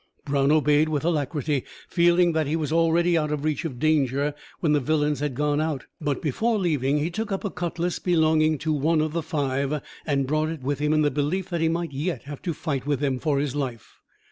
Brown obeyed with alacrity, feeling that he was already out of reach of danger when the villains had gone out; but before leaving he took up a cutlass belonging to one of the five, and brought it with him in the belief that he might yet have to fight with them for his life.